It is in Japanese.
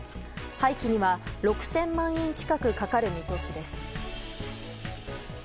廃棄には６０００万円近くかかる見通しです。